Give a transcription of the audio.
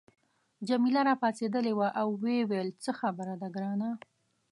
جميله راپاڅیدلې وه او ویې ویل څه خبره ده ګرانه.